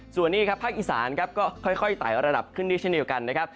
ส่วนนี้ภาคอีสานก็ค่อยไต่ระดับขึ้นที่เช่นเดียวกันนะครับ